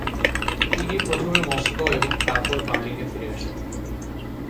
তিনি প্রথমে মস্কো এবং তারপর বার্লিনে ফিরে আসেন।